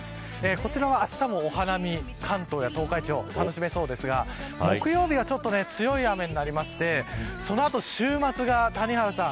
こちらは、あしたも、お花見関東や東海地方楽しめそうですが木曜日は強い雨になりましてその後、週末が、谷原さん